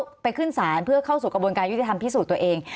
ก็ไปขึ้นศาลเพื่อเข้าสู่กระบวนการยุติธรรมพิสูจน์ตัวเอง